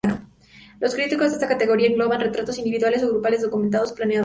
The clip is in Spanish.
Los criterios de esta categoría engloban retratos individuales o grupales, documentados o planteados.